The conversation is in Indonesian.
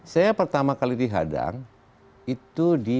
saya pertama kali dihadang itu di